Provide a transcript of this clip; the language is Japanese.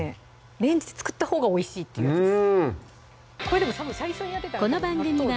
レンジで作ったほうがおいしいっていうやつです